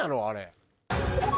あれ。